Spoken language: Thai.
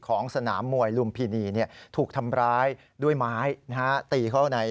ของสนามมวยลุมพินีถูกทำร้ายด้วยไม้